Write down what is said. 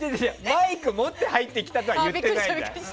マイク持って入ってきたとは言ってないよ。